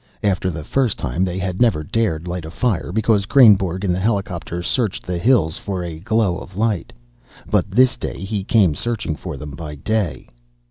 After the first time they had never dared light a fire, because Kreynborg in the helicopter searched the hills for a glow of light. But this day he came searching for them by day.